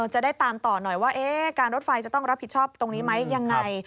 จะได้ตามต่อหน่อยว่าการรถไฟจะต้องรับผิดชอบตรงนี้ไหมยังไง